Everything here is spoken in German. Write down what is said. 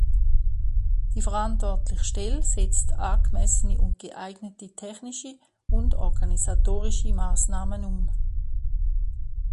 Die verantwortliche Stelle setzt angemessene und geeignete technische und organisatorische Maßnahmen um.